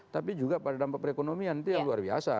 tapi juga pada dampak perekonomian itu yang luar biasa